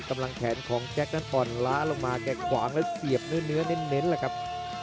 กำลังแขนของแจกนั้นอ่อนล้าลงมาแกะขวางแล้วเสียบเนื้อเนื้อเน้นละครับ